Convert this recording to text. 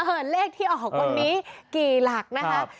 เลขที่ออกวันนี้กี่หลักนะคะ